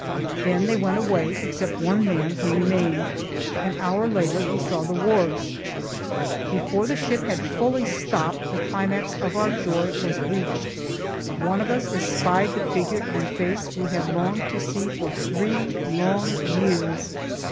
Then they went away, except one man who remained. An hour later we saw the wharves. Before the ship had fully stopped, the climax of our joy was reached. One of us espied the figure and face we had longed to see for three long years.